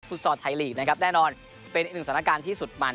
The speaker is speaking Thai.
ซอร์ไทยลีกนะครับแน่นอนเป็นอีกหนึ่งสถานการณ์ที่สุดมัน